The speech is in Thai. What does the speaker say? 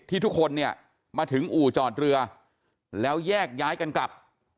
ทุกคนเนี่ยมาถึงอู่จอดเรือแล้วแยกย้ายกันกลับ